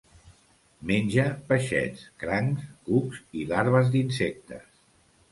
Menja peixets, crancs, cucs i larves d'insectes.